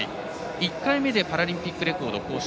１回目でパラリンピックレコードを更新。